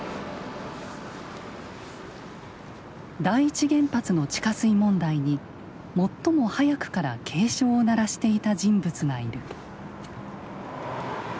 第一原発の地下水問題に最も早くから警鐘を鳴らしていた人物がいる。